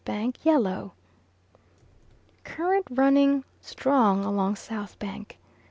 bank. yellow} Current running strong along south bank.